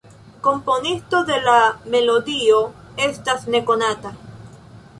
Komponisto de la melodio estas nekonata.